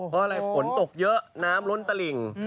เพราะอะไรฝนตกเยอะน้ำล้นตลิ่ง